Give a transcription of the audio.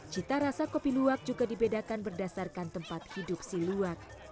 cita rasa kopi luwak juga dibedakan berdasarkan tempat hidup si luwak